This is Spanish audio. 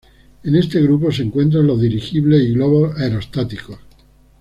En este grupo se encuentran los dirigibles y globos aerostáticos.